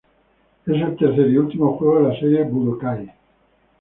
Es el tercer y último juego de la serie Budokai.